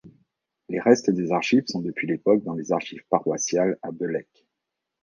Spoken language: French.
Les restes des archives sont depuis l'époque dans les archives paroissiales à Belecke.